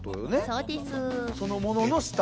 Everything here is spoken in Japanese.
そのものの下。